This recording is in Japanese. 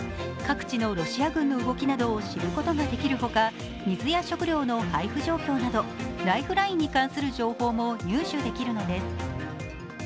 各地のロシア軍の動きなどを知ることができるほか、水や食料の配布状況などライフラインに関する情報も入手できるのです。